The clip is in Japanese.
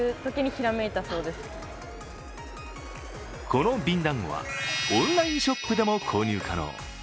この瓶だんごは、オンラインショップでも購入可能。